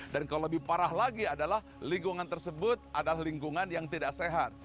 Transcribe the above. dan kalau lebih parah lagi adalah lingkungan tersebut adalah lingkungan yang tidak sehat